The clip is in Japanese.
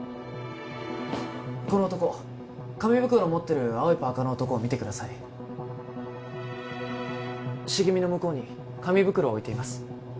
この男紙袋を持ってる青いパーカーの男を見てください茂みの向こうに紙袋を置いています